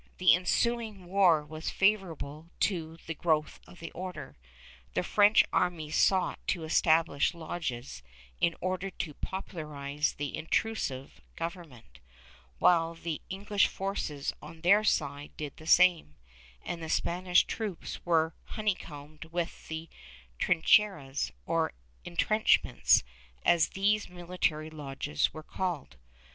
The ensuing war was favorable to the growth of the Order. The French armies sought to establish lodges in order to popularize the ''intrusive" government, while the English forces on their side did the same, and the Spanish troops w^ere honeycombed with the trincheras, or intrenchments, as these military lodges were called.